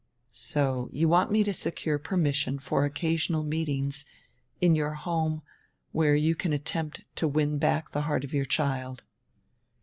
"So you want me to secure permission for occasional meetings, in your home, where you can attempt to win back die heart of your child."